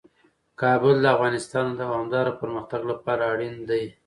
کابل د افغانستان د دوامداره پرمختګ لپاره اړین دي.